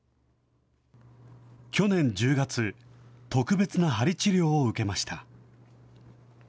去年１０月、特別なはり治療を受けました。